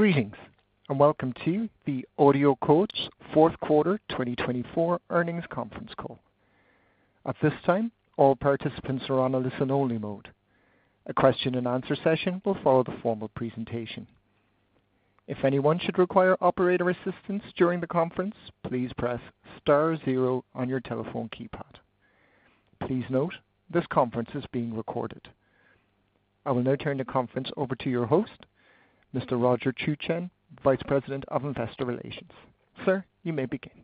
Greetings, and welcome to the AudioCodes Fourth Quarter 2024 Earnings Conference Call. At this time, all participants are on a listen-only mode. A question-and-answer session will follow the formal presentation. If anyone should require operator assistance during the conference, please press star zero on your telephone keypad. Please note, this conference is being recorded. I will now turn the conference over to your host, Mr. Roger Chuchen, Vice President of Investor Relations. Sir, you may begin.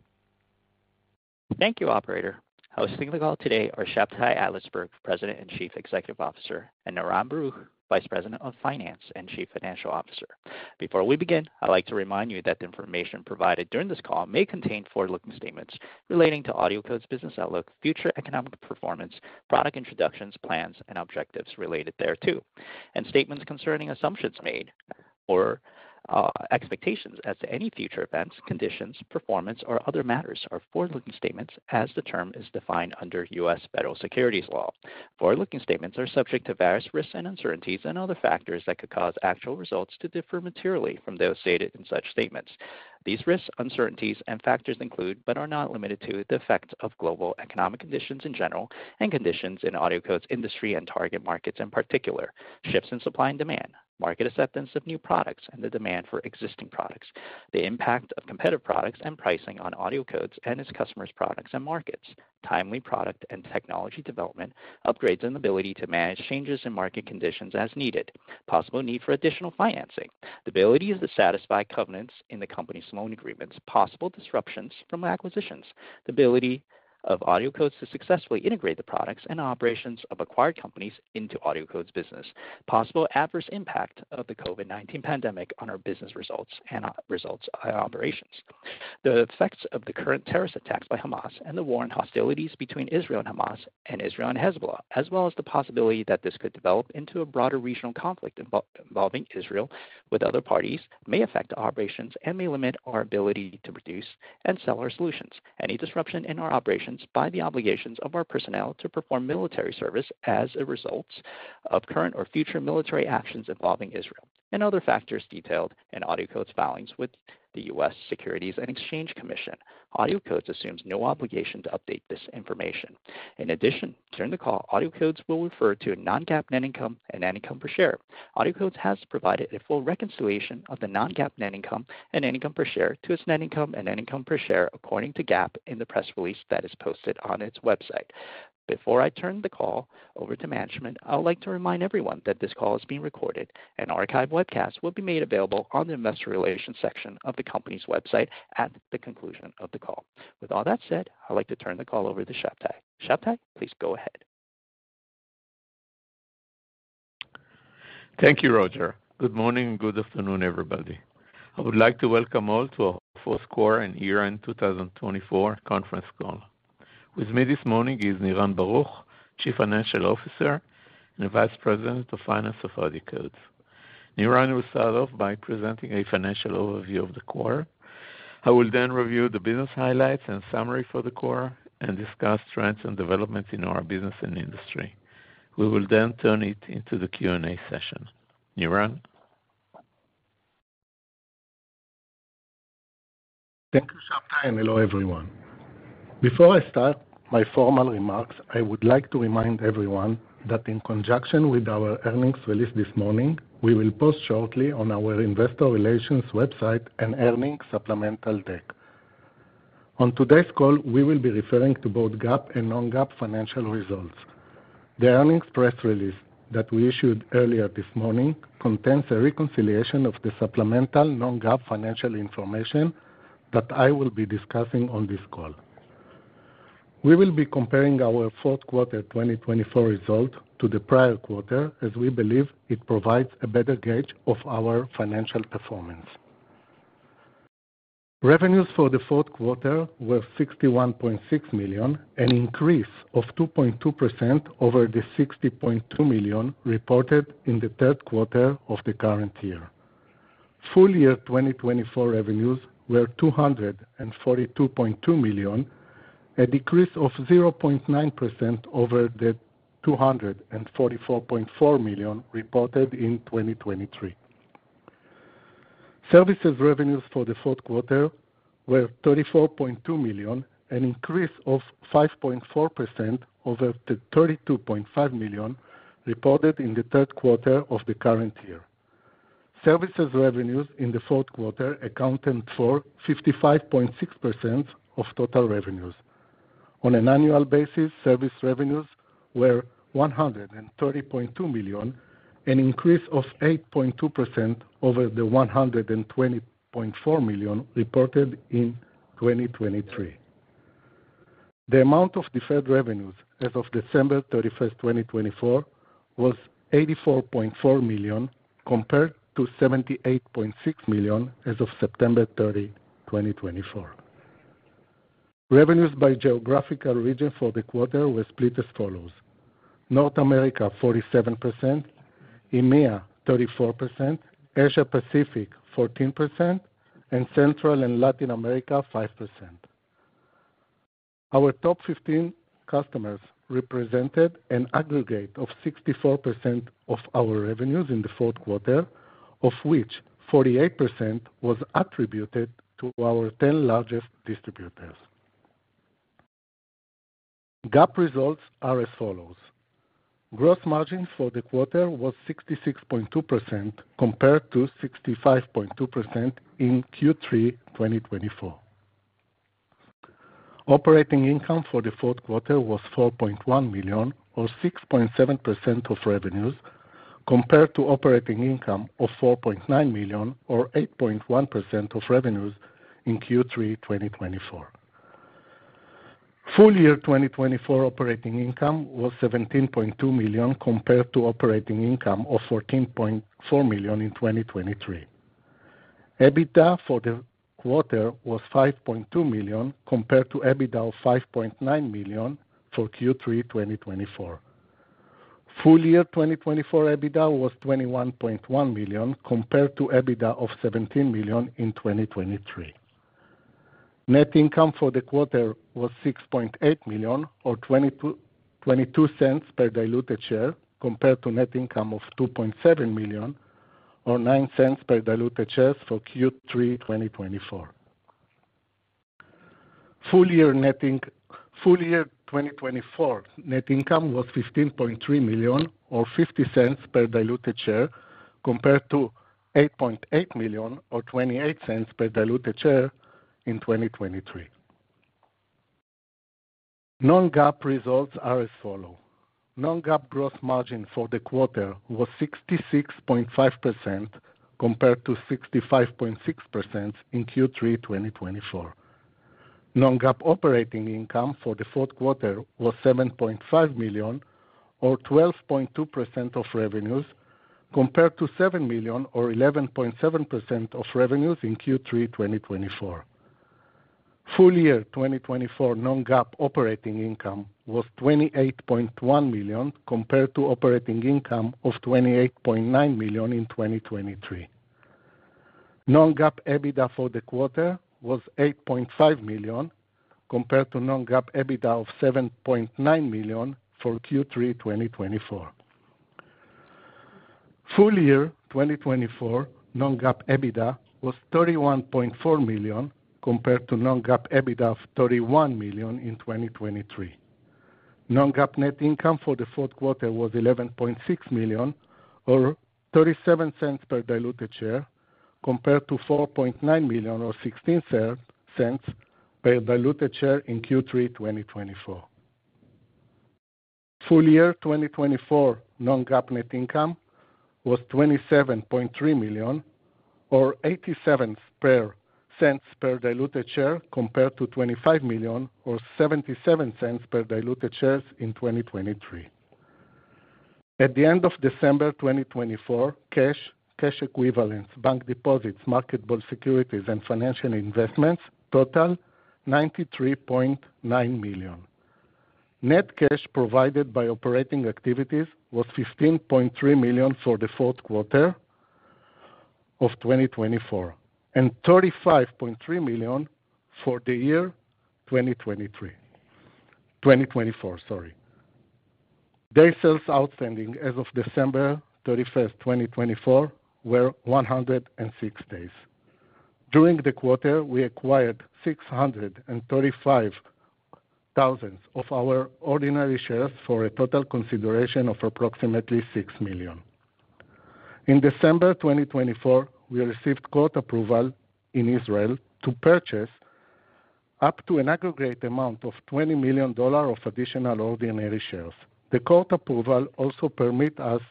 Thank you, Operator. Hosting the call today are Shabtai Adlersberg, President and Chief Executive Officer, and Niran Baruch, Vice President of Finance and Chief Financial Officer. Before we begin, I'd like to remind you that the information provided during this call may contain forward-looking statements relating to AudioCodes' business outlook, future economic performance, product introductions, plans, and objectives related thereto, and statements concerning assumptions made or expectations as to any future events, conditions, performance, or other matters are forward-looking statements as the term is defined under U.S. federal securities law. Forward-looking statements are subject to various risks and uncertainties and other factors that could cause actual results to differ materially from those stated in such statements. These risks, uncertainties, and factors include, but are not limited to, the effects of global economic conditions in general and conditions in AudioCodes' industry and target markets in particular, shifts in supply and demand, market acceptance of new products and the demand for existing products, the impact of competitive products and pricing on AudioCodes and its customers' products and markets, timely product and technology development, upgrades and ability to manage changes in market conditions as needed, possible need for additional financing, the ability to satisfy covenants in the company's loan agreements, possible disruptions from acquisitions, the ability of AudioCodes to successfully integrate the products and operations of acquired companies into AudioCodes' business, possible adverse impact of the COVID-19 pandemic on our business results and operations, the effects of the current terrorist attacks by Hamas and the war and hostilities between Israel and Hamas and Israel and Hezbollah. As well as the possibility that this could develop into a broader regional conflict involving Israel with other parties may affect operations and may limit our ability to produce and sell our solutions, any disruption in our operations by the obligations of our personnel to perform military service as a result of current or future military actions involving Israel, and other factors detailed in AudioCodes' filings with the U.S. Securities and Exchange Commission. AudioCodes assumes no obligation to update this information. In addition, during the call, AudioCodes will refer to non-GAAP net income and net income per share. AudioCodes has provided a full reconciliation of the non-GAAP net income and net income per share to its net income and net income per share according to GAAP in the press release that is posted on its website. Before I turn the call over to management, I would like to remind everyone that this call is being recorded. An archived webcast will be made available on the Investor Relations section of the company's website at the conclusion of the call. With all that said, I'd like to turn the call over to Shabtai. Shabtai, please go ahead. Thank you, Roger. Good morning and good afternoon, everybody. I would like to welcome all to our Fourth Quarter and Year-End 2024 Conference Call. With me this morning is Niran Baruch, Chief Financial Officer and Vice President of Finance of AudioCodes. Niran will start off by presenting a financial overview of the quarter. I will then review the business highlights and summary for the quarter and discuss trends and developments in our business and industry. We will then turn it into the Q&A session. Niran? Thank you, Shabtai, and hello, everyone. Before I start my formal remarks, I would like to remind everyone that in conjunction with our earnings release this morning, we will post shortly on our Investor Relations website an earnings supplemental deck. On today's call, we will be referring to both GAAP and non-GAAP financial results. The earnings press release that we issued earlier this morning contains a reconciliation of the supplemental non-GAAP financial information that I will be discussing on this call. We will be comparing our fourth quarter 2024 result to the prior quarter as we believe it provides a better gauge of our financial performance. Revenues for the fourth quarter were $61.6 million, an increase of 2.2% over the $60.2 million reported in the third quarter of the current year. Full year 2024 revenues were $242.2 million, a decrease of 0.9% over the $244.4 million reported in 2023. Services revenues for the fourth quarter were $34.2 million, an increase of 5.4% over the $32.5 million reported in the third quarter of the current year. Services revenues in the fourth quarter accounted for 55.6% of total revenues. On an annual basis, service revenues were $130.2 million, an increase of 8.2% over the $120.4 million reported in 2023. The amount of deferred revenues as of December 31st, 2024, was $84.4 million compared to $78.6 million as of September 30, 2024. Revenues by geographical region for the quarter were split as follows: North America 47%, EMEA 34%, Asia-Pacific 14%, and Central and Latin America 5%. Our top 15 customers represented an aggregate of 64% of our revenues in the fourth quarter, of which 48% was attributed to our 10 largest distributors. GAAP results are as follows: Gross margin for the quarter was 66.2% compared to 65.2% in Q3 2024. Operating income for the fourth quarter was $4.1 million, or 6.7% of revenues, compared to operating income of $4.9 million, or 8.1% of revenues in Q3 2024. Full year 2024 operating income was $17.2 million compared to operating income of $14.4 million in 2023. EBITDA for the quarter was $5.2 million compared to EBITDA of $5.9 million for Q3 2024. Full year 2024 EBITDA was $21.1 million compared to EBITDA of $17 million in 2023. Net income for the quarter was $6.8 million, or $0.22 per diluted share, compared to net income of $2.7 million, or $0.09 per diluted share for Q3 2024. Full year 2024 net income was $15.3 million, or $0.50 per diluted share, compared to $8.8 million, or $0.28 per diluted share in 2023. Non-GAAP results are as follows. Non-GAAP gross margin for the quarter was 66.5% compared to 65.6% in Q3 2024. Non-GAAP operating income for the fourth quarter was $7.5 million, or 12.2% of revenues, compared to $7 million, or 11.7% of revenues in Q3 2024. Full year 2024 non-GAAP operating income was $28.1 million compared to operating income of $28.9 million in 2023. Non-GAAP EBITDA for the quarter was $8.5 million, compared to non-GAAP EBITDA of $7.9 million for Q3 2024. Full year 2024 non-GAAP EBITDA was $31.4 million, compared to non-GAAP EBITDA of $31 million in 2023. Non-GAAP net income for the Fourth Quarter was $11.6 million, or $0.37 per diluted share, compared to $4.9 million, or $0.16 per diluted share in Q3 2024. Full year 2024 non-GAAP net income was $27.3 million, or $0.87 per diluted share, compared to $25 million, or $0.77 per diluted share in 2023. At the end of December 2024, cash, cash equivalents, bank deposits, marketable securities, and financial investments totaled $93.9 million. Net cash provided by operating activities was $15.3 million for the fourth quarter of 2024 and $35.3 million for the year 2024. Days sales outstanding as of December 31st, 2024, were 106 days. During the quarter, we acquired 635,000 of our ordinary shares for a total consideration of approximately $6 million. In December 2024, we received court approval in Israel to purchase up to an aggregate amount of $20 million of additional ordinary shares. The court approval also permits us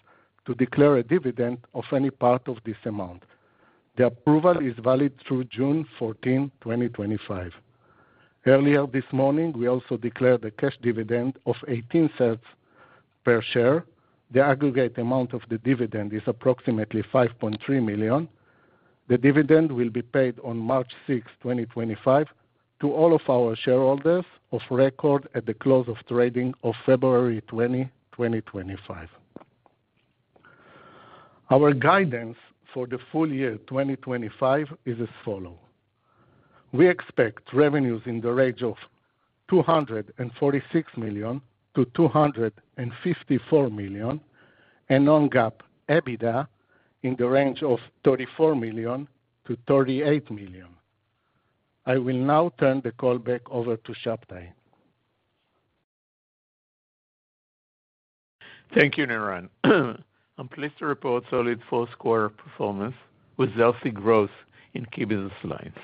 to declare a dividend of any part of this amount. The approval is valid through June 14, 2025. Earlier this morning, we also declared a cash dividend of $0.18 per share. The aggregate amount of the dividend is approximately $5.3 million. The dividend will be paid on March 6, 2025, to all of our shareholders of record at the close of trading of February 20, 2025. Our guidance for the full year 2025 is as follows. We expect revenues in the range of $246 million-$254 million and non-GAAP EBITDA in the range of $34 million-$38 million. I will now turn the call back over to Shabtai. Thank you, Niran. I'm pleased to report solid fourth quarter performance with healthy growth in key business lines.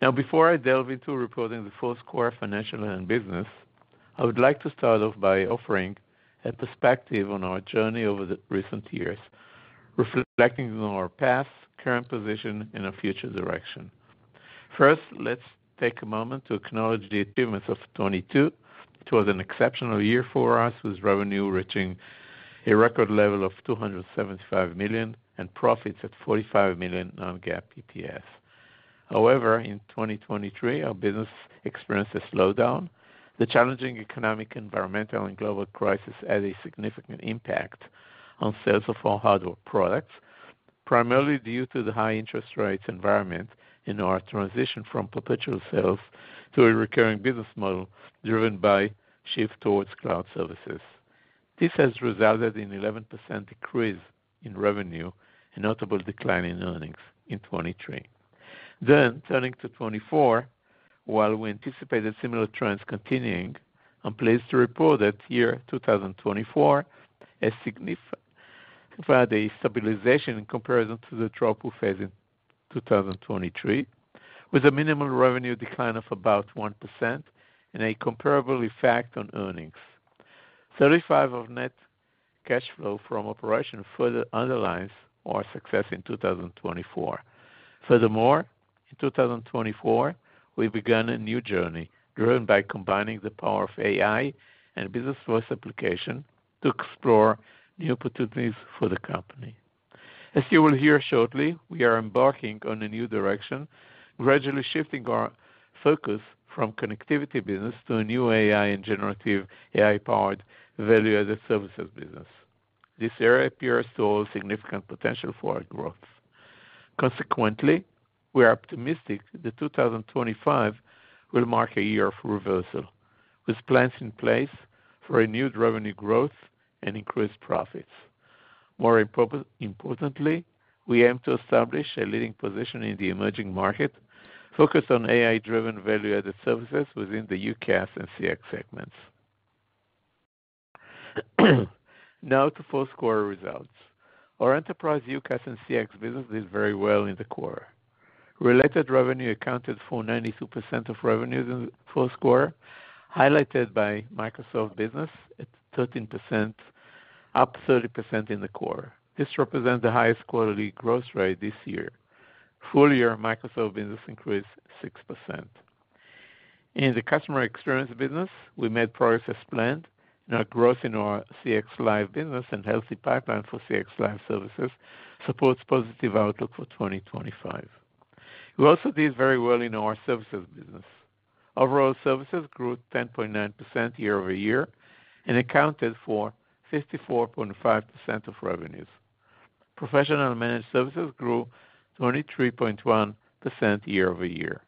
Now, before I delve into reporting the fourth quarter financial and business, I would like to start off by offering a perspective on our journey over the recent years, reflecting on our past, current position, and our future direction. First, let's take a moment to acknowledge the achievements of 2022. It was an exceptional year for us, with revenue reaching a record level of $275 million and profits at $45 million non-GAAP EPS. However, in 2023, our business experienced a slowdown. The challenging economic, environmental, and global crisis had a significant impact on sales of all hardware products, primarily due to the high interest rates environment in our transition from perpetual sales to a recurring business model driven by shift towards cloud services. This has resulted in an 11% decrease in revenue and notable decline in earnings in 2023. Then, turning to 2024, while we anticipated similar trends continuing, I'm pleased to report that year 2024 has significantly provided a stabilization in comparison to the drop we faced in 2023, with a minimal revenue decline of about 1% and a comparable effect on earnings. 35% of net cash flow from operations further underlines our success in 2024. Furthermore, in 2024, we began a new journey driven by combining the power of AI and business source application to explore new opportunities for the company. As you will hear shortly, we are embarking on a new direction, gradually shifting our focus from connectivity business to a new AI and generative AI-powered value-added services business. This area appears to hold significant potential for our growth. Consequently, we are optimistic that 2025 will mark a year of reversal, with plans in place for renewed revenue growth and increased profits. More importantly, we aim to establish a leading position in the emerging market, focused on AI-driven value-added services within the UCaaS and CX segments. Now, to fourth quarter results. Our enterprise UCaaS and CX business did very well in the quarter. Related revenue accounted for 92% of revenues in the fourth quarter, highlighted by Microsoft business at 13%, up 30% in the quarter. This represents the highest quarterly growth rate this year. Full year, Microsoft business increased 6%. In the Customer Experience business, we made progress as planned, and our growth in our CX Live business and healthy pipeline for CX Live services supports positive outlook for 2025. We also did very well in our Services business. Overall, services grew 10.9% year-over-year and accounted for 54.5% of revenues. Professional managed services grew 23.1% year-over-year.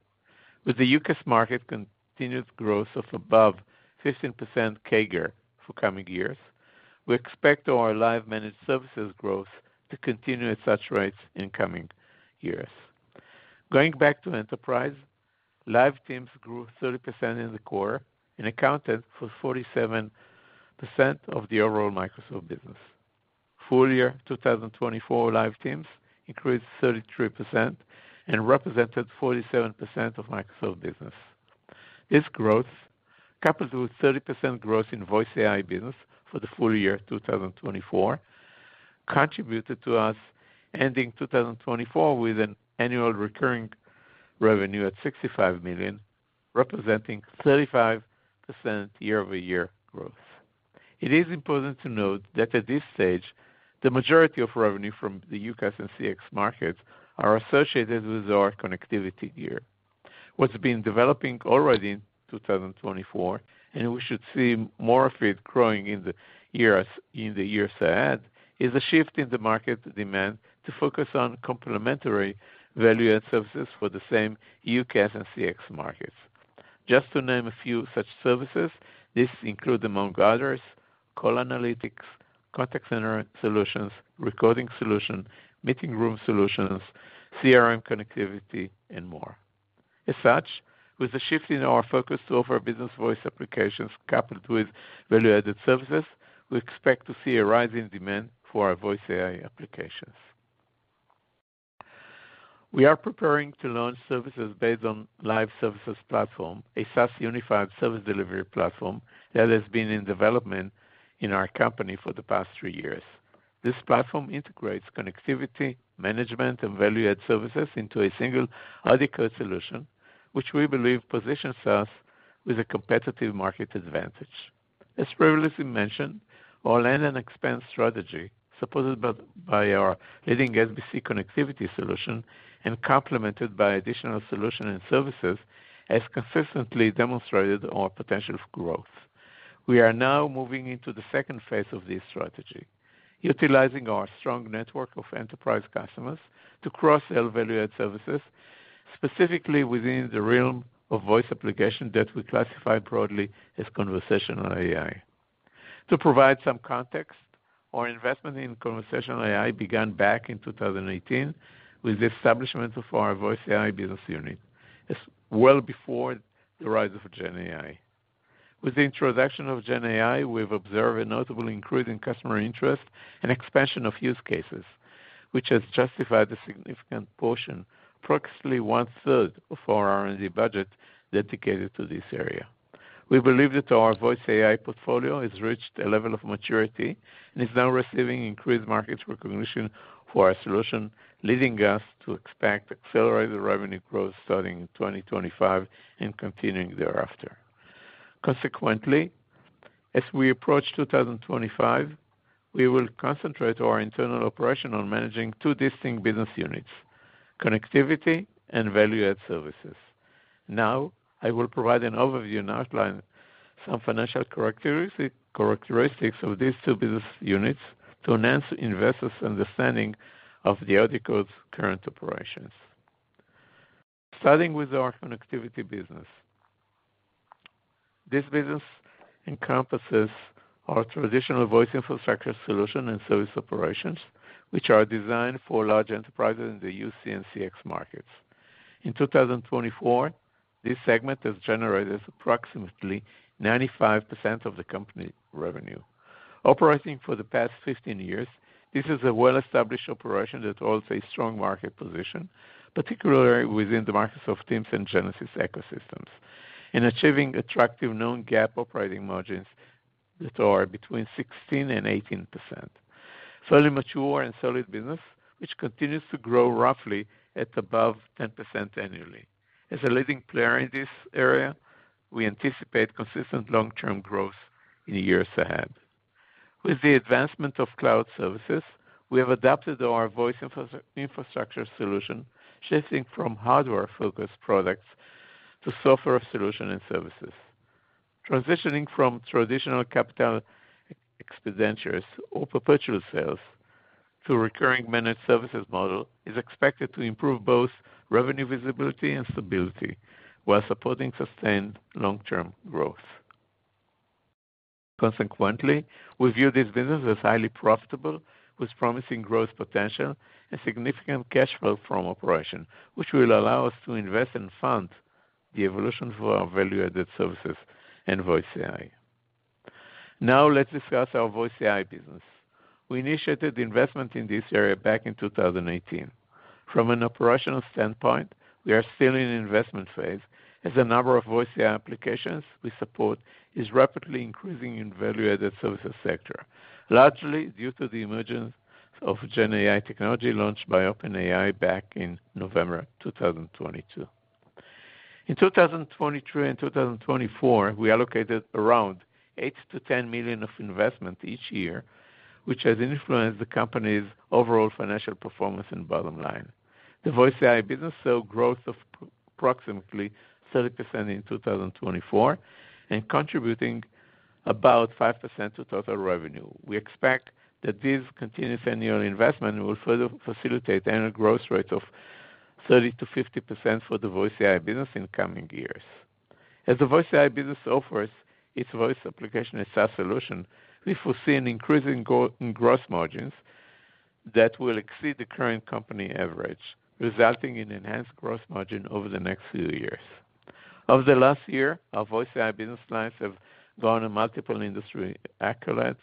With the UCaaS market continued growth of above 15% CAGR for coming years, we expect our Live managed services growth to continue at such rates in coming years. Going back to enterprise, Live Teams grew 30% in the quarter and accounted for 47% of the overall Microsoft business. Full year 2024 Live Teams increased 33% and represented 47% of Microsoft business. This growth, coupled with 30% growth in VoiceAI business for the full year 2024, contributed to us ending 2024 with an annual recurring revenue at $65 million, representing 35% year-over-year growth. It is important to note that at this stage, the majority of revenue from the UCaaS and CX markets are associated with our connectivity gear. What's been developing already in 2024, and we should see more of it growing in the years ahead, is a shift in the market demand to focus on complementary value-added services for the same UCaaS and CX markets. Just to name a few such services, these include, among others, call analytics, contact center solutions, recording solutions, meeting room solutions, CRM connectivity, and more. As such, with the shift in our focus to offer business voice applications coupled with value-added services, we expect to see a rising demand for our VoiceAI applications. We are preparing to launch services based on Live services platform, a SaaS unified service delivery platform that has been in development in our company for the past three years. This platform integrates connectivity, management, and value-added services into a single adequate solution, which we believe positions us with a competitive market advantage. As previously mentioned, our land and expand strategy, supported by our leading SBC connectivity solution and complemented by additional solutions and services, has consistently demonstrated our potential growth. We are now moving into the second phase of this strategy, utilizing our strong network of enterprise customers to cross-sell value-added services, specifically within the realm of voice applications that we classify broadly as conversational AI. To provide some context, our investment in conversational AI began back in 2018 with the establishment of our VoiceAI business unit, well before the rise of GenAI. With the introduction of GenAI, we've observed a notable increase in customer interest and expansion of use cases, which has justified a significant portion, approximately one-third of our R&D budget dedicated to this area. We believe that our VoiceAI portfolio has reached a level of maturity and is now receiving increased market recognition for our solution, leading us to expect accelerated revenue growth starting in 2025 and continuing thereafter. Consequently, as we approach 2025, we will concentrate our internal operation on managing two distinct business units: connectivity and value-added services. Now, I will provide an overview and outline some financial characteristics of these two business units to enhance investors' understanding of the AudioCodes current operations. Starting with our connectivity business. This business encompasses our traditional voice infrastructure solution and service operations, which are designed for large enterprises in the UC and CX markets. In 2024, this segment has generated approximately 95% of the company revenue. Operating for the past 15 years, this is a well-established operation that holds a strong market position, particularly within the Microsoft Teams and Genesys ecosystems, and achieving attractive non-GAAP operating margins that are between 16% and 18%. Fairly mature and solid business, which continues to grow roughly at above 10% annually. As a leading player in this area, we anticipate consistent long-term growth in years ahead. With the advancement of cloud services, we have adapted our voice infrastructure solution, shifting from hardware-focused products to software solutions and services. Transitioning from traditional capital expenditures or perpetual sales to a recurring managed services model is expected to improve both revenue visibility and stability while supporting sustained long-term growth. Consequently, we view this business as highly profitable, with promising growth potential and significant cash flow from operation, which will allow us to invest and fund the evolution for our value-added services and VoiceAI. Now, let's discuss our VoiceAI business. We initiated investment in this area back in 2018. From an operational standpoint, we are still in the investment phase as the number of VoiceAI applications we support is rapidly increasing in the value-added services sector, largely due to the emergence of GenAI technology launched by OpenAI back in November 2022. In 2023 and 2024, we allocated around $8 million-$10 million of investment each year, which has influenced the company's overall financial performance and bottom line. The VoiceAI business saw growth of approximately 30% in 2024 and contributing about 5% to total revenue. We expect that this continuous annual investment will further facilitate annual growth rates of 30%-50% for the VoiceAI business in coming years. As the VoiceAI business offers its voice application and SaaS solution, we foresee an increase in gross margins that will exceed the current company average, resulting in enhanced gross margin over the next few years. Over the last year, our VoiceAI business lines have gone to multiple industry accolades,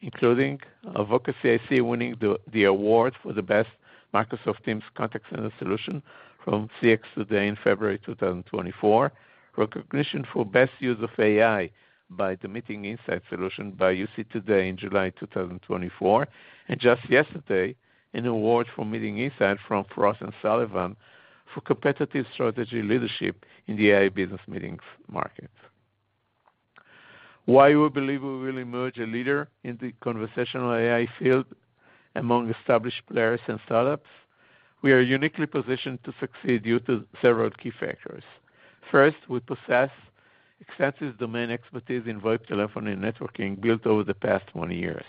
including Voca CIC winning the award for the best Microsoft Teams contact center solution from CX Today in February 2024, recognition for best use of AI by the Meeting Insights solution by UC Today in July 2024, and just yesterday, an award for Meeting Insights from Frost & Sullivan for competitive strategy leadership in the AI business meetings market. Why do we believe we will emerge a leader in the conversational AI field among established players and startups? We are uniquely positioned to succeed due to several key factors. First, we possess extensive domain expertise in voice telephony and networking built over the past 20 years.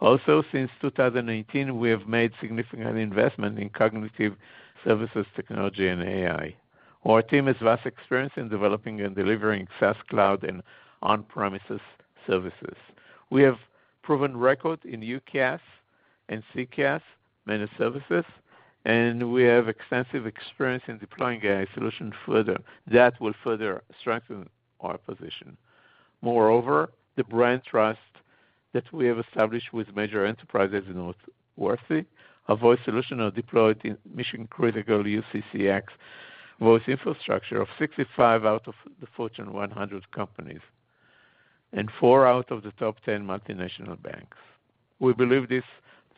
Also, since 2018, we have made significant investment in cognitive services technology and AI. Our team has vast experience in developing and delivering SaaS, cloud, and on-premises services. We have proven record in UCaaS and CCaaS managed services, and we have extensive experience in deploying AI solutions that will further strengthen our position. Moreover, the brand trust that we have established with major enterprises in North America. Our voice solution deployed in mission-critical UCCX voice infrastructure of 65 out of the Fortune 100 companies and four out of the top 10 multinational banks. We believe this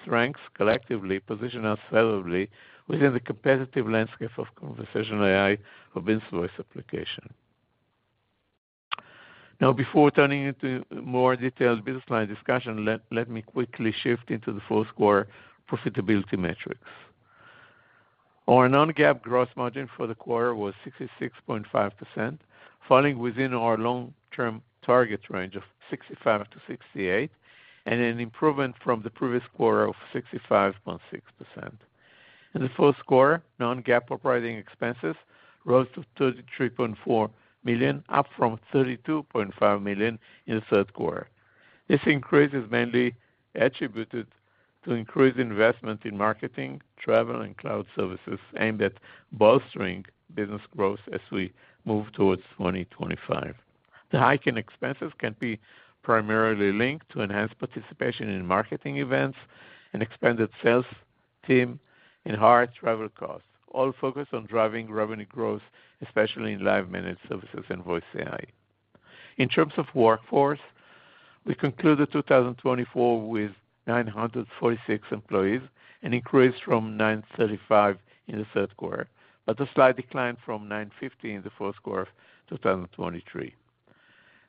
strength collectively positions us favorably within the competitive landscape of conversational AI for business voice application. Now, before turning into more detailed business line discussion, let me quickly shift into the fourth quarter profitability metrics. Our non-GAAP gross margin for the quarter was 66.5%, falling within our long-term target range of 65% to 68%, and an improvement from the previous quarter of 65.6%. In the fourth quarter, non-GAAP operating expenses rose to $33.4 million, up from $32.5 million in the third quarter. This increase is mainly attributed to increased investment in marketing, travel, and cloud services aimed at bolstering business growth as we move towards 2025. The hike in expenses can be primarily linked to enhanced participation in marketing events and expanded sales team and higher travel costs, all focused on driving revenue growth, especially in live managed services and VoiceAI. In terms of workforce, we concluded 2024 with 946 employees and increased from 935 in the third quarter, but a slight decline from 950 in the fourth quarter of 2023.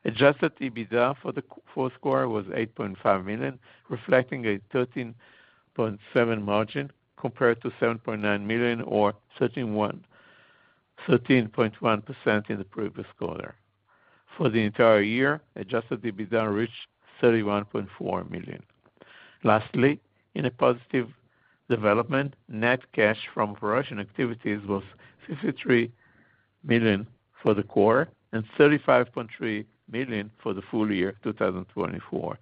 Adjusted EBITDA for the fourth quarter was $8.5 million, reflecting a 13.7% margin compared to $7.9 million or 13.1% in the previous quarter. For the entire year, adjusted EBITDA reached $31.4 million. Lastly, in a positive development, net cash from operating activities was $63 million for the quarter and $35.3 million for the full year 2024.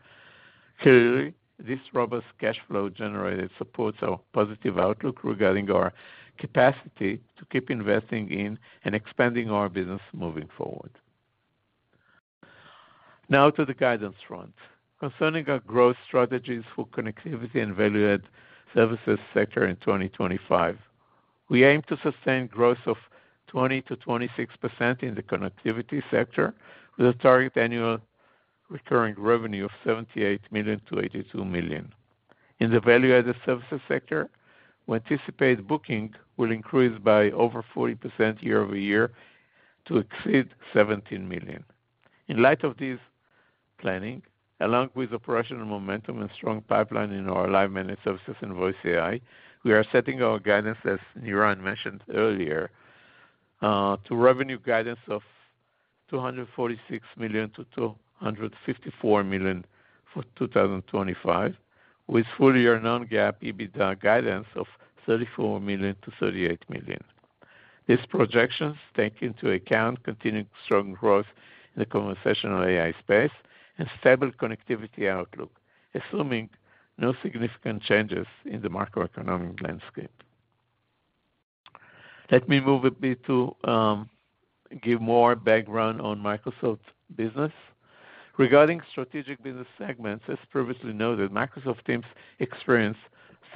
Clearly, this robust cash flow generated supports our positive outlook regarding our capacity to keep investing in and expanding our business moving forward. Now, to the guidance front. Concerning our growth strategies for connectivity and value-added services sector in 2025, we aim to sustain growth of 20%-26% in the connectivity sector with a target annual recurring revenue of $78 million-$82 million. In the value-added services sector, we anticipate booking will increase by over 40% year-over-year to exceed $17 million. In light of this planning, along with operational momentum and strong pipeline in our Live managed services and VoiceAI, we are setting our guidance, as Niran mentioned earlier, to revenue guidance of $246 million-$254 million for 2025, with full year non-GAAP EBITDA guidance of $34 million-$38 million. These projections take into account continued strong growth in the conversational AI space and stable connectivity outlook, assuming no significant changes in the macroeconomic landscape. Let me move a bit to give more background on Microsoft business. Regarding strategic business segments, as previously noted, Microsoft Teams experienced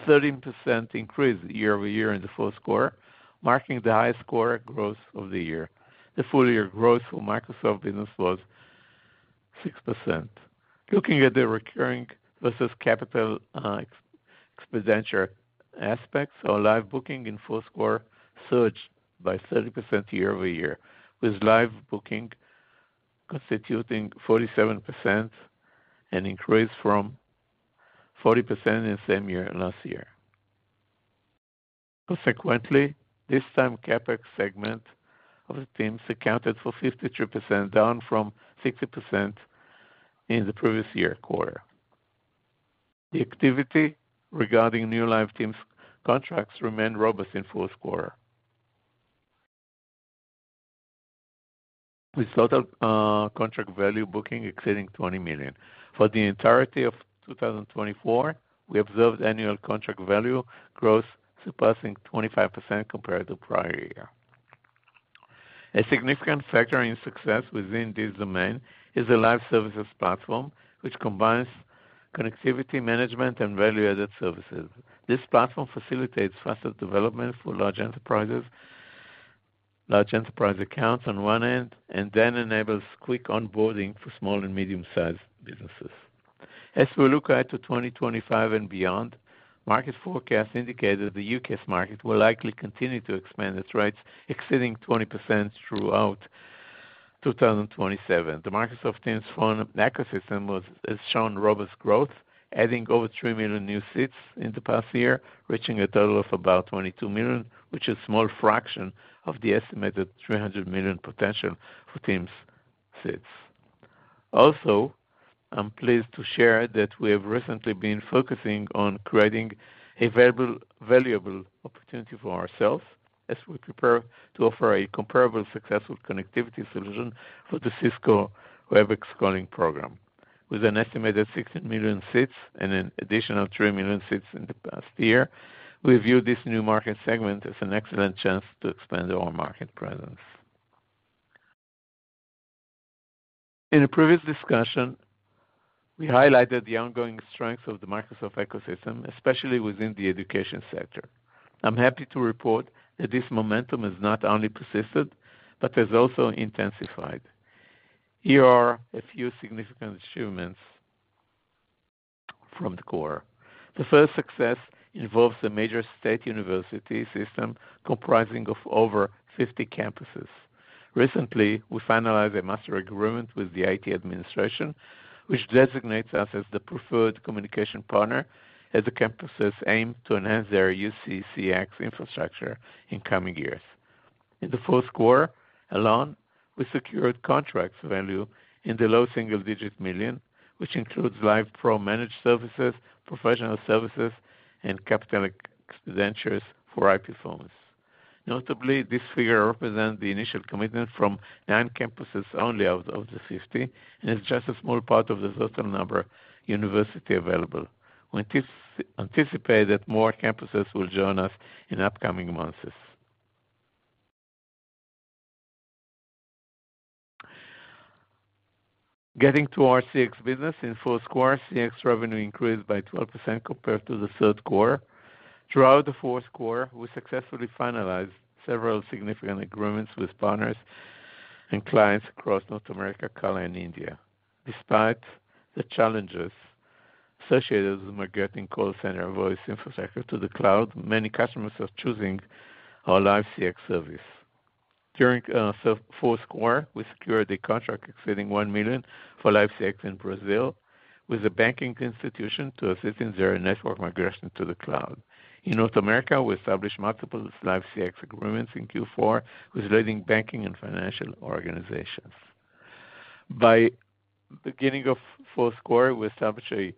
a 13% increase year-over-year in the fourth quarter, marking the highest quarter growth of the year. The full year growth for Microsoft business was 6%. Looking at the recurring versus capital expenditure aspects, our Live booking in fourth quarter surged by 30% year-over-year, with Live booking constituting 47% and increased from 40% in the same year last year. Consequently, this time CapEx segment of the Teams accounted for 53%, down from 60% in the previous year quarter. The activity regarding new Live Teams contracts remained robust in fourth quarter, with total contract value booking exceeding $20 million. For the entirety of 2024, we observed annual contract value growth surpassing 25% compared to prior year. A significant factor in success within this domain is the Live services platform, which combines connectivity management and value-added services. This platform facilitates faster development for large enterprises, large enterprise accounts on one end, and then enables quick onboarding for small and medium-sized businesses. As we look ahead to 2025 and beyond, market forecasts indicate that the UCaaS market will likely continue to expand its rates, exceeding 20% throughout 2027. The Microsoft Teams phone ecosystem has shown robust growth, adding over three million new seats in the past year, reaching a total of about 22 million, which is a small fraction of the estimated 300 million potential for Teams seats. Also, I'm pleased to share that we have recently been focusing on creating a valuable opportunity for ourselves as we prepare to offer a comparable successful connectivity solution for the Cisco Webex Calling program. With an estimated 16 million seats and an additional 3 million seats in the past year, we view this new market segment as an excellent chance to expand our market presence. In a previous discussion, we highlighted the ongoing strengths of the Microsoft ecosystem, especially within the education sector. I'm happy to report that this momentum has not only persisted, but has also intensified. Here are a few significant achievements from the quarter. The first success involves a major state university system comprising of over 50 campuses. Recently, we finalized a master agreement with the IT administration, which designates us as the preferred communication partner as the campuses aim to enhance their UCCX infrastructure in coming years. In the fourth quarter alone, we secured contracts value in the low single-digit million, which includes Live professional managed services, professional services, and capital expenditures for IP phones. Notably, this figure represents the initial commitment from nine campuses only out of the 50 and is just a small part of the total number of universities available. We anticipate that more campuses will join us in upcoming months. Getting to our CX business, in fourth quarter, CX revenue increased by 12% compared to the third quarter. Throughout the fourth quarter, we successfully finalized several significant agreements with partners and clients across North America, Canada, and India. Despite the challenges associated with migrating call center voice infrastructure to the cloud, many customers are choosing our Live CX service. During fourth quarter, we secured a contract exceeding $1 million for Live CX in Brazil with a banking institution to assist in their network migration to the cloud. In North America, we established multiple Live CX agreements in Q4 with leading banking and financial organizations. By the beginning of fourth quarter, we established a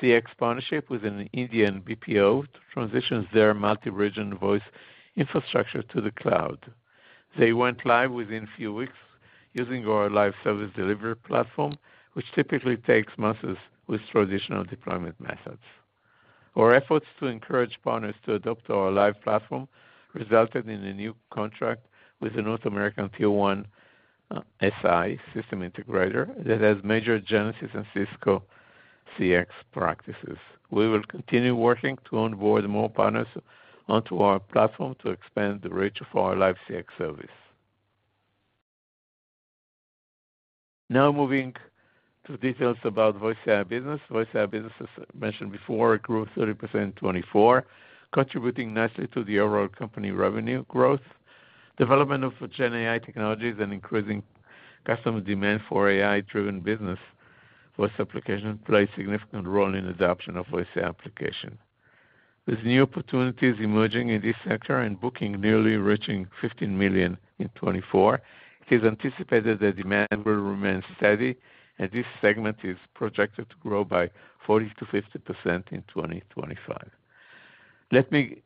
CX partnership with an Indian BPO to transition their multi-region voice infrastructure to the cloud. They went live within a few weeks using our Live service delivery platform, which typically takes months with traditional deployment methods. Our efforts to encourage partners to adopt our Live Platform resulted in a new contract with a North American Tier 1 SI system integrator that has major Genesys and Cisco CX practices. We will continue working to onboard more partners onto our platform to expand the reach of our Live CX service. Now, moving to details about VoiceAI business. VoiceAI business, as mentioned before, grew 30% in 2024, contributing nicely to the overall company revenue growth. Development of GenAI technologies and increasing customer demand for AI-driven business voice applications played a significant role in the adoption of VoiceAI applications. With new opportunities emerging in this sector and booking nearly reaching $15 million in 2024, it is anticipated that demand will remain steady, and this segment is projected to grow by 40%-50% in 2025. Let me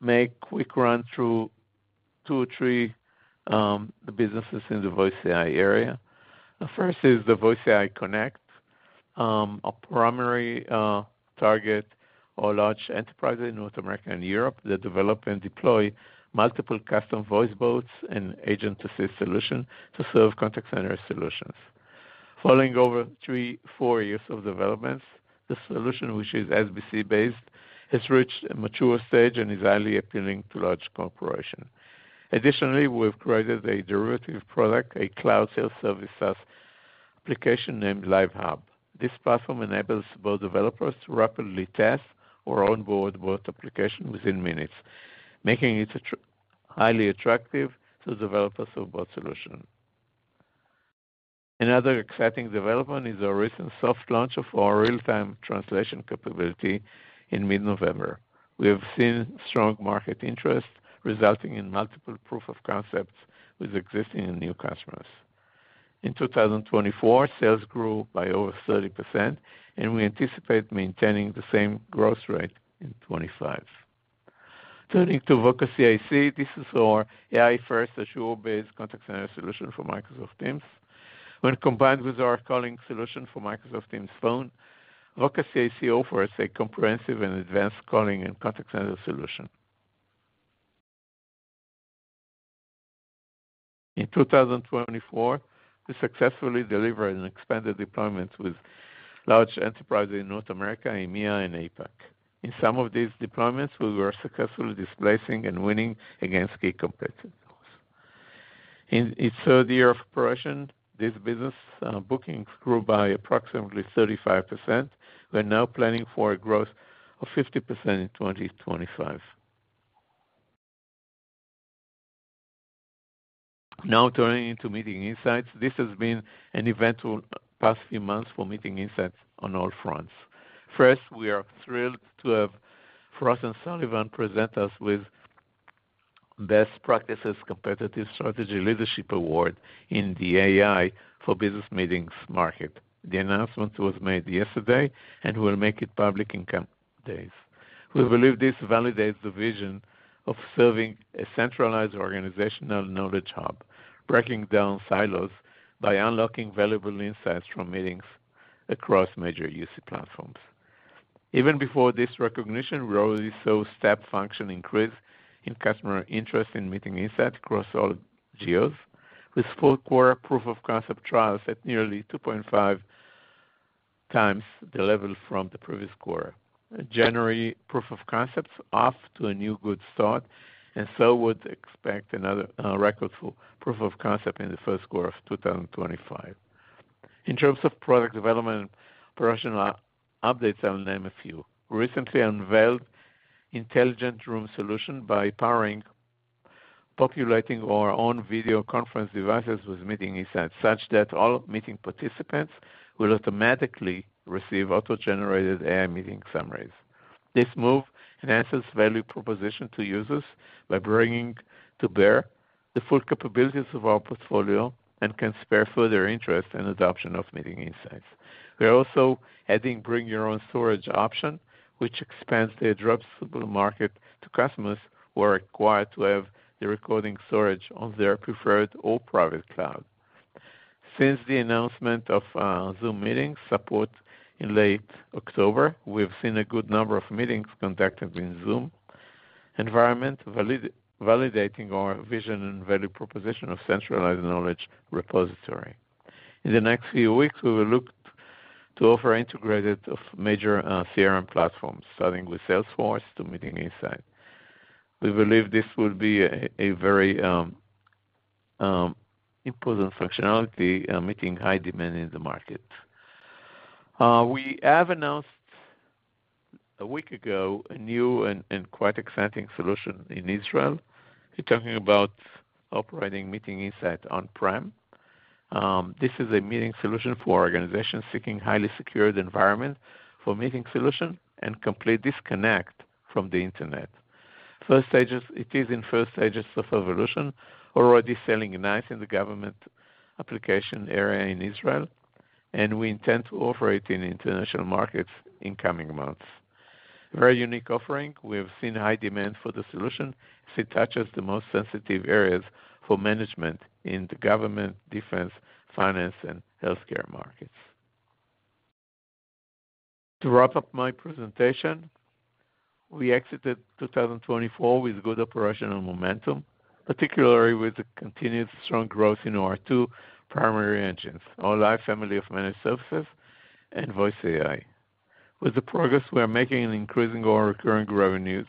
make a quick run through two or three businesses in the VoiceAI area. The first is the VoiceAI Connect, a primary target of large enterprises in North America and Europe that develop and deploy multiple custom voice bots and agent-assist solutions to serve contact center solutions. Following over three to four years of development, the solution, which is SBC-based, has reached a mature stage and is highly appealing to large corporations. Additionally, we've created a derivative product, a cloud self-service application named Live Hub. This platform enables both developers to rapidly test or onboard both applications within minutes, making it highly attractive to developers of both solutions. Another exciting development is our recent soft launch of our real-time translation capability in mid-November. We have seen strong market interest, resulting in multiple proof of concepts with existing and new customers. In 2024, sales grew by over 30%, and we anticipate maintaining the same growth rate in 2025. Turning to Voca CIC, this is our AI-first Azure-based contact center solution for Microsoft Teams. When combined with our calling solution for Microsoft Teams Phone, Voca CIC offers a comprehensive and advanced calling and contact center solution. In 2024, we successfully delivered an expanded deployment with large enterprises in North America, EMEA, and APAC. In some of these deployments, we were successfully displacing and winning against key competitors. In its third year of operation, this business booking grew by approximately 35%. We're now planning for a growth of 50% in 2025. Now, turning to Meeting Insights, this has been an eventful past few months for Meeting Insights on all fronts. First, we are thrilled to have Frost & Sullivan present us with the Best Practices Competitive Strategy Leadership Award in the AI for Business Meetings market. The announcement was made yesterday and will make it public in a few days. We believe this validates the vision of serving a centralized organizational knowledge hub, breaking down silos by unlocking valuable insights from meetings across major UC platforms. Even before this recognition, we already saw a step function increase in customer interest in Meeting Insights across all geos, with four-quarter proof of concept trials at nearly 2.5x the level from the previous quarter. January proof of concepts off to a new good start, and so we would expect another record for proof of concept in the first quarter of 2025. In terms of product development, operational updates, I'll name a few. We recently unveiled an intelligent room solution by powering and populating our own video conference devices with Meeting Insights such that all meeting participants will automatically receive auto-generated AI meeting summaries. This move enhances value proposition to users by bringing to bear the full capabilities of our portfolio and can spur further interest in the adoption of Meeting Insights. We're also adding a bring-your-own-storage option, which expands the addressable market to customers who are required to have the recording storage on their preferred or private cloud. Since the announcement of Zoom Meetings support in late October, we've seen a good number of meetings conducted in Zoom environment, validating our vision and value proposition of a centralized knowledge repository. In the next few weeks, we will look to offer integration with major CRM platforms, starting with Salesforce to Meeting Insights. We believe this will be a very important functionality meeting high demand in the market. We have announced a week ago a new and quite exciting solution in Israel. We're talking about operating Meeting Insights on-prem. This is a meeting solution for organizations seeking a highly secured environment for meeting solutions and complete disconnect from the internet. It is in first stages of evolution, already selling nicely in the government application area in Israel, and we intend to operate in international markets in coming months. A very unique offering. We have seen high demand for the solution. It touches the most sensitive areas for management in the government, defense, finance, and healthcare markets. To wrap up my presentation, we exited 2024 with good operational momentum, particularly with the continued strong growth in our two primary engines, our Live family of managed services and VoiceAI. With the progress we are making in increasing our recurring revenues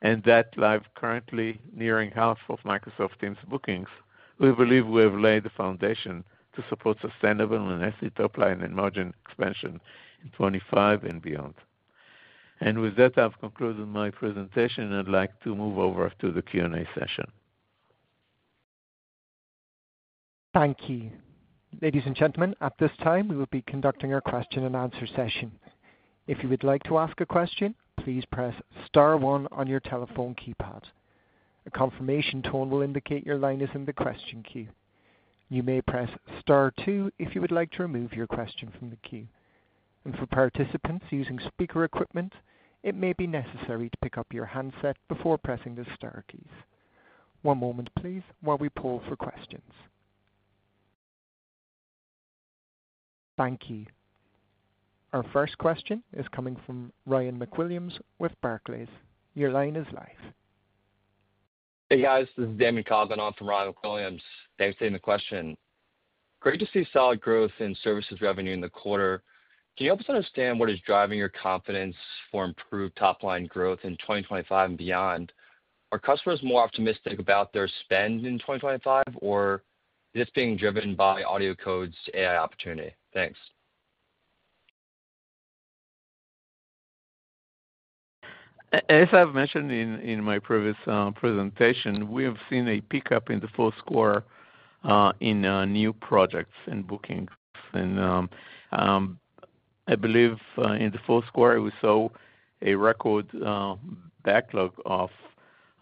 and that Live currently nearing half of Microsoft Teams bookings, we believe we have laid the foundation to support sustainable and strong top-line and margin expansion in 2025 and beyond. And with that, I've concluded my presentation and I'd like to move over to the Q&A session. Thank you. Ladies and gentlemen, at this time, we will be conducting our question and answer session. If you would like to ask a question, please press star one on your telephone keypad. A confirmation tone will indicate your line is in the question queue. You may press star two if you would like to remove your question from the queue. And for participants using speaker equipment, it may be necessary to pick up your handset before pressing the star keys. One moment, please, while we poll for questions. Thank you. Our first question is coming from Ryan MacWilliams with Barclays. Your line is live. Hey, guys, this is Eamon Coughlin on from Ryan MacWilliams. Thanks for taking the question. Great to see solid growth in services revenue in the quarter. Can you help us understand what is driving your confidence for improved top-line growth in 2025 and beyond? Are customers more optimistic about their spend in 2025, or is this being driven by AudioCodes' AI opportunity? Thanks. As I've mentioned in my previous presentation, we have seen a pickup in the fourth quarter in new projects and bookings. And I believe in the fourth quarter, we saw a record backlog of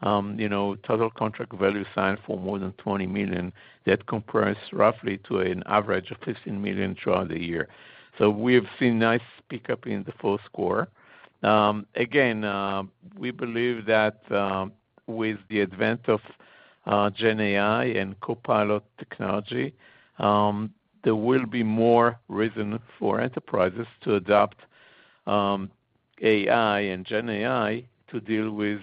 total contract value signed for more than $20 million that comprised roughly to an average of $15 million throughout the year. So we have seen a nice pickup in the fourth quarter. Again, we believe that with the advent of GenAI and Copilot technology, there will be more reason for enterprises to adopt AI and GenAI to deal with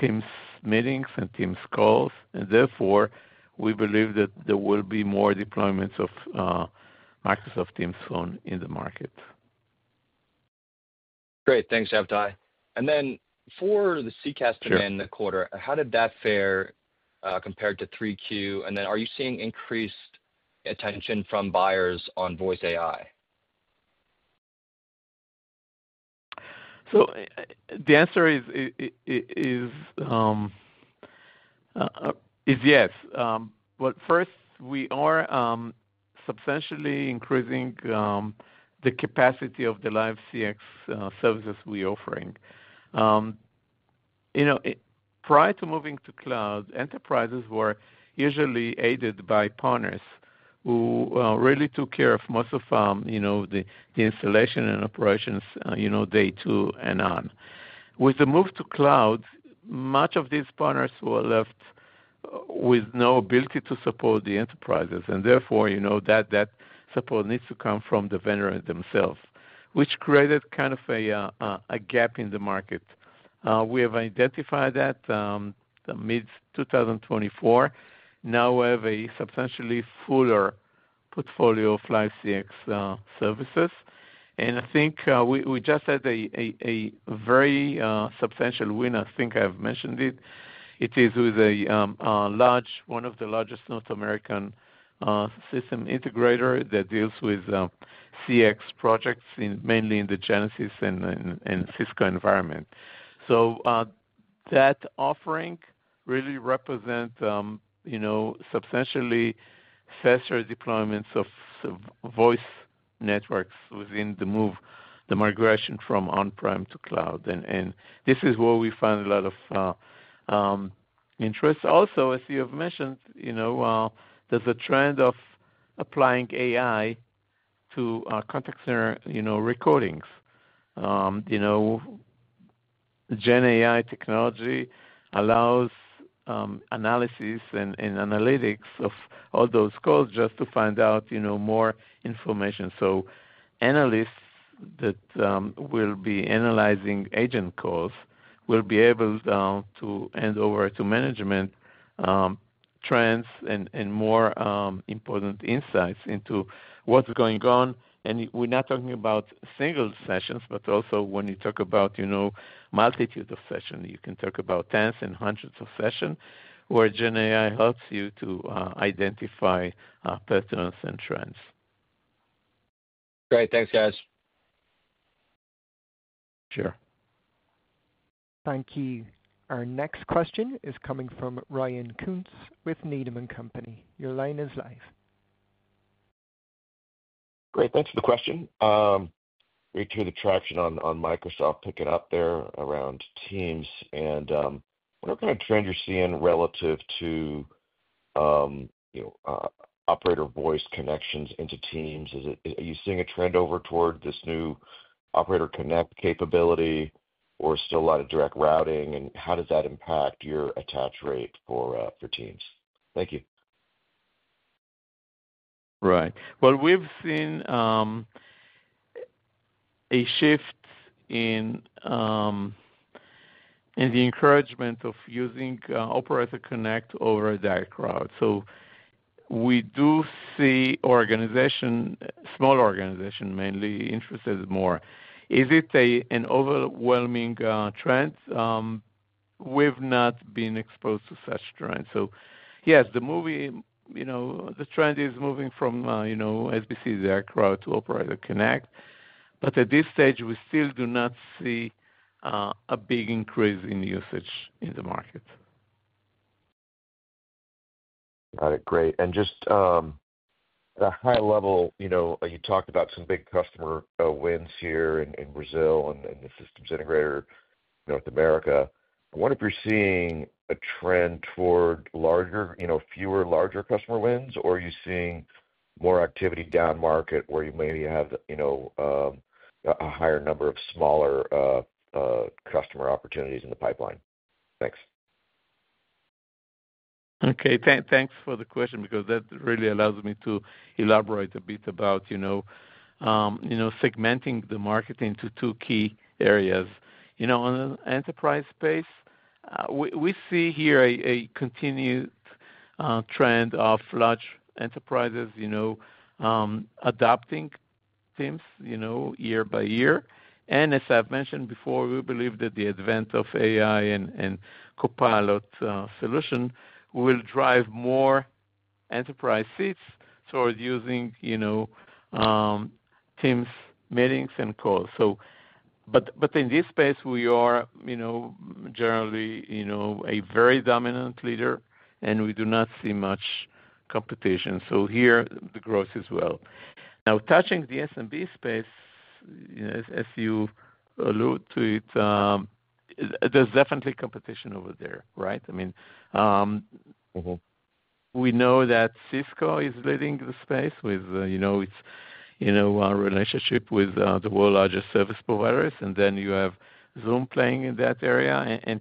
Teams meetings and Teams calls. And therefore, we believe that there will be more deployments of Microsoft Teams Phone in the market. Great. Thanks, Shabtai. And then for the CCaaS in the quarter, how did that fare compared to 3Q? And then are you seeing increased attention from buyers on VoiceAI? So the answer is yes. But first, we are substantially increasing the capacity of the Live CX services we are offering. Prior to moving to cloud, enterprises were usually aided by partners who really took care of most of the installation and operations day two and on. With the move to cloud, much of these partners were left with no ability to support the enterprises. And therefore, that support needs to come from the vendors themselves, which created kind of a gap in the market. We have identified that mid-2024. Now we have a substantially fuller portfolio of Live CX services. And I think we just had a very substantial win. I think I've mentioned it. It is with one of the largest North American system integrators that deals with CX projects, mainly in the Genesys and Cisco environment. So that offering really represents substantially faster deployments of voice networks within the move, the migration from on-prem to cloud. And this is where we find a lot of interest. Also, as you have mentioned, there's a trend of applying AI to contact center recordings. GenAI technology allows analysis and analytics of all those calls just to find out more information. Analysts that will be analyzing agent calls will be able to hand over to management trends and more important insights into what's going on. And we're not talking about single sessions, but also when you talk about multitude of sessions, you can talk about tens and hundreds of sessions where GenAI helps you to identify patterns and trends. Great. Thanks, guys. Sure. Thank you. Our next question is coming from Ryan Koontz with Needham & Co. Your line is live. Great. Thanks for the question. Great to hear the traction on Microsoft picking up there around Teams. And what kind of trend are you seeing relative to operator voice connections into Teams? Are you seeing a trend over toward this new Operator Connect capability, or is it still a lot of Direct Routing? And how does that impact your attach rate for Teams? Thank you. Right. We've seen a shift in the encouragement of using Operator Connect over Direct Routing. We do see organizations, small organizations mainly, interested more. Is it an overwhelming trend? We've not been exposed to such trends. Yes, the trend is moving from SBC Direct Routing to Operator Connect. But at this stage, we still do not see a big increase in usage in the market. Got it. Great. Just at a high level, you talked about some big customer wins here in Brazil and the system integrator in North America. I wonder if you're seeing a trend toward fewer larger customer wins, or are you seeing more activity down market where you maybe have a higher number of smaller customer opportunities in the pipeline? Thanks. Okay. Thanks for the question because that really allows me to elaborate a bit about segmenting the market into two key areas. On the enterprise space, we see here a continued trend of large enterprises adopting Teams year by year. And as I've mentioned before, we believe that the advent of AI and Copilot solution will drive more enterprise seats toward using Teams meetings and calls. But in this space, we are generally a very dominant leader, and we do not see much competition. So here, the growth is well. Now, touching the SMB space, as you alluded to it, there's definitely competition over there, right? I mean, we know that Cisco is leading the space with its relationship with the world's largest service providers. And then you have Zoom playing in that area, and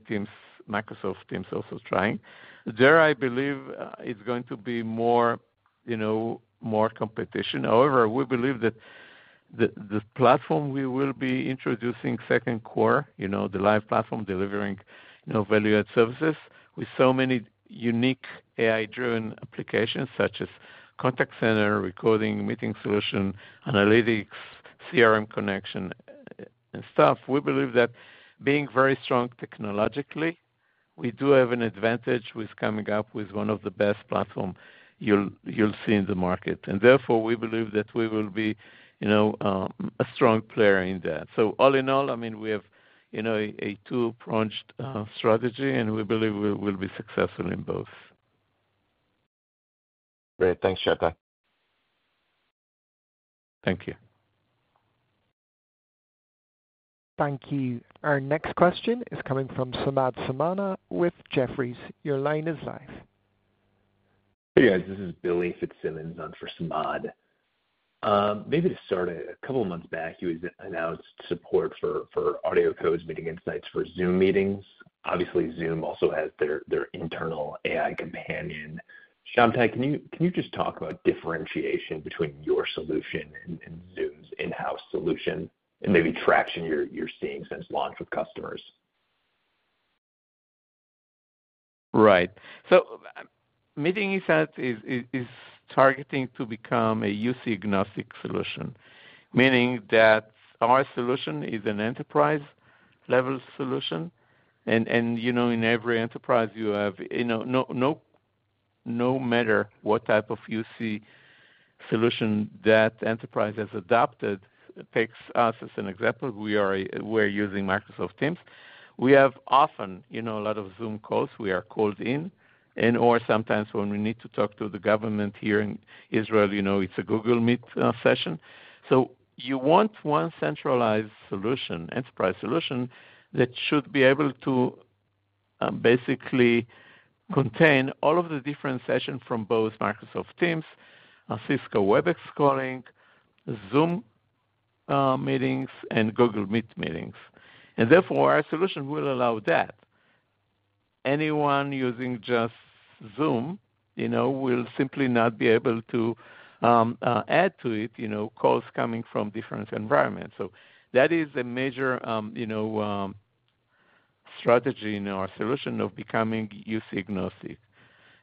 Microsoft Teams also trying. There, I believe it's going to be more competition. However, we believe that the platform we will be introducing second quarter, the Live Platform delivering value-add services with so many unique AI-driven applications such as contact center, recording, meeting solution, analytics, CRM connection, and stuff. We believe that being very strong technologically, we do have an advantage with coming up with one of the best platforms you'll see in the market. And therefore, we believe that we will be a strong player in that. So all in all, I mean, we have a two-pronged strategy, and we believe we will be successful in both. Great. Thanks, Shabtai. Thank you. Thank you. Our next question is coming from Samad Samana with Jefferies. Your line is live. Hey, guys. This is Billy Fitzsimmons for Samad. Maybe to start, a couple of months back, you announced support for AudioCodes Meeting Insights for Zoom Meetings. Obviously, Zoom also has their internal AI Companion. Shabtai, can you just talk about differentiation between your solution and Zoom's in-house solution and maybe traction you're seeing since launch with customers? Right. So Meeting Insights is targeting to become a UC-agnostic solution, meaning that our solution is an enterprise-level solution. And in every enterprise, no matter what type of UC solution that enterprise has adopted, take us as an example. We're using Microsoft Teams. We have often a lot of Zoom calls. We are called in, and/or sometimes when we need to talk to the government here in Israel, it's a Google Meet session. So you want one centralized solution, enterprise solution that should be able to basically contain all of the different sessions from both Microsoft Teams, Cisco Webex calling, Zoom meetings, and Google Meet meetings. And therefore, our solution will allow that. Anyone using just Zoom will simply not be able to add to it calls coming from different environments. So that is a major strategy in our solution of becoming UC-agnostic.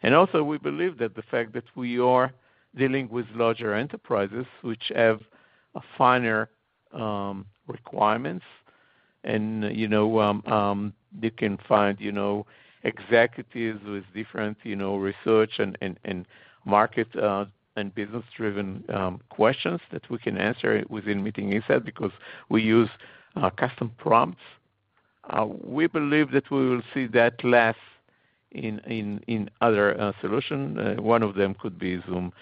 And also, we believe that the fact that we are dealing with larger enterprises which have finer requirements, and you can find executives with different research and market and business-driven questions that we can answer within Meeting Insights because we use custom prompts. We believe that we will see that less in other solutions. One of them could be Zoom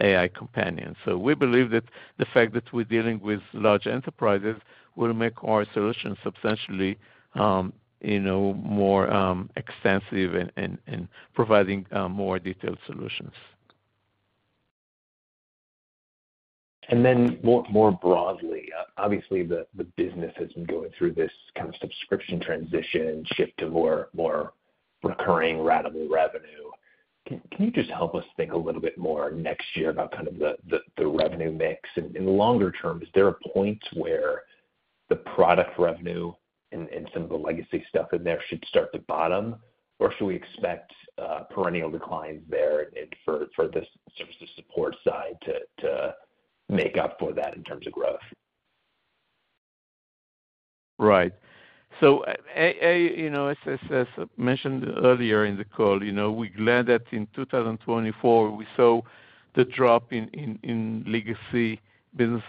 AI Companion. So we believe that the fact that we're dealing with large enterprises will make our solution substantially more extensive and providing more detailed solutions. And then more broadly, obviously, the business has been going through this kind of subscription transition, shift to more recurring revenue. Can you just help us think a little bit more next year about kind of the revenue mix? And longer term, is there a point where the product revenue and some of the legacy stuff in there should start to bottom, or should we expect perennial declines there for the services support side to make up for that in terms of growth? Right. So as I mentioned earlier in the call, we're glad that in 2024, we saw the drop in legacy business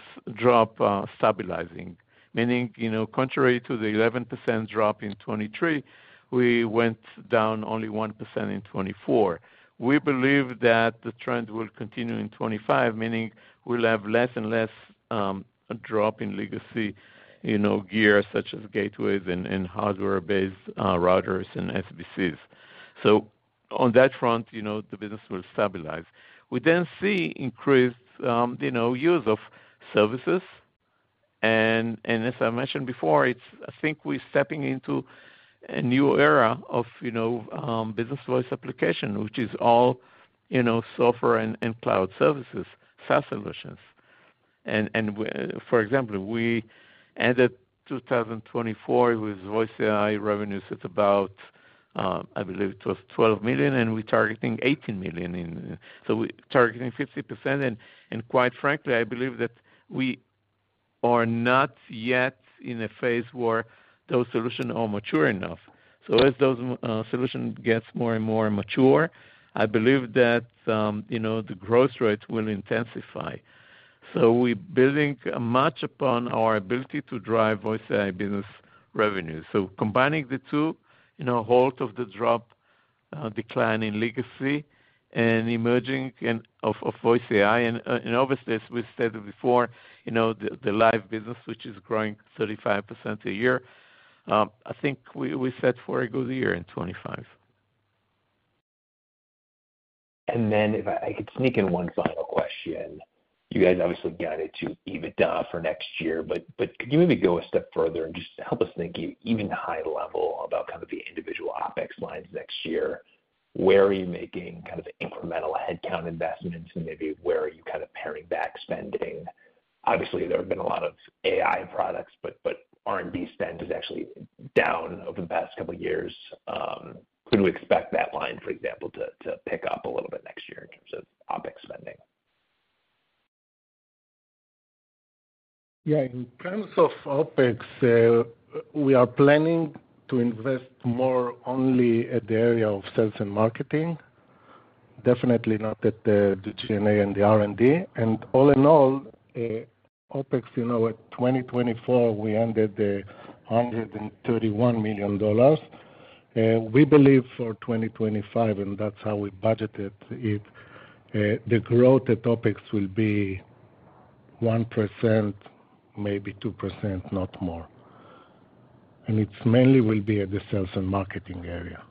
stabilizing, meaning contrary to the 11% drop in 2023, we went down only 1% in 2024. We believe that the trend will continue in 2025, meaning we'll have less and less drop in legacy gear such as gateways and hardware-based routers and SBCs. So on that front, the business will stabilize. We then see increased use of services. And as I mentioned before, I think we're stepping into a new era of business voice application, which is all software and cloud services, SaaS solutions. And for example, we ended 2024 with VoiceAI revenues at about, I believe it was $12 million, and we're targeting $18 million. So we're targeting 50%. And quite frankly, I believe that we are not yet in a phase where those solutions are mature enough. So as those solutions get more and more mature, I believe that the growth rate will intensify. So we're building much upon our ability to drive VoiceAI business revenue. So combining the two, offset the drop, decline in legacy, and emergence of VoiceAI. And obviously, as we stated before, the Live business, which is growing 35% a year, I think we're set for a good year in 2025. And then if I could sneak in one final question, you guys obviously got it to EBITDA for next year, but could you maybe go a step further and just help us think even higher level about kind of the individual OpEx lines next year? Where are you making kind of incremental headcount investments? And maybe where are you kind of paring back spending? Obviously, there have been a lot of AI products, but R&D spend is actually down over the past couple of years. Could we expect that line, for example, to pick up a little bit next year in terms of OpEx spending? Yeah. In terms of OpEx, we are planning to invest more only at the area of sales and marketing. Definitely not at the G&A and the R&D. And all in all, OpEx, in 2024, we ended at $131 million. We believe for 2025, and that's how we budgeted it, the growth at OpEx will be 1%, maybe 2%, not more. It mainly will be at the sales and marketing area.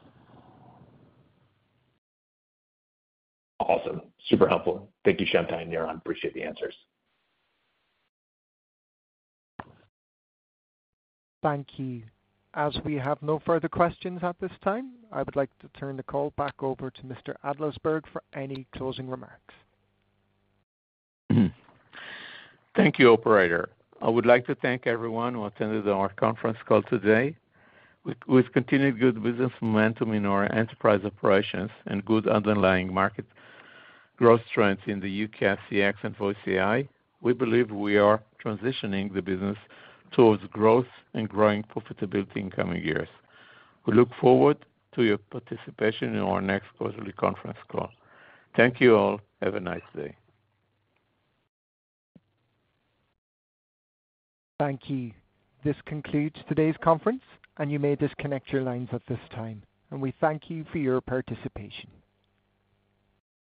Awesome. Super helpful. Thank you, Shabtai and Niran. Appreciate the answers. Thank you. As we have no further questions at this time, I would like to turn the call back over to Mr. Adlersberg for any closing remarks. Thank you, Operator. I would like to thank everyone who attended our conference call today. With continued good business momentum in our enterprise operations and good underlying market growth trends in the UC/CX and VoiceAI, we believe we are transitioning the business towards growth and growing profitability in coming years. We look forward to your participation in our next quarterly conference call. Thank you all. Have a nice day. Thank you. This concludes today's conference, and you may disconnect your lines at this time, and we thank you for your participation.